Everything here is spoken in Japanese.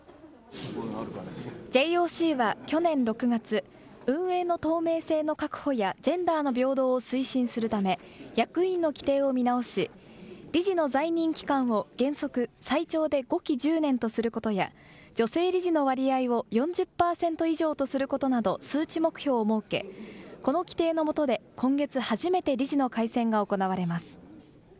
ＪＯＣは去年６月、運営の透明性の確保やジェンダーの平等を推進するため、役員の規定を見直し、理事の在任期間を原則最長で５期１０年とすることや、女性理事の割合を４０％以上とすることなど、数値目標を設け、この規定のもとで今月初めて理事の改選が行われます。